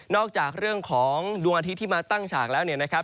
อกจากเรื่องของดวงอาทิตย์ที่มาตั้งฉากแล้วเนี่ยนะครับ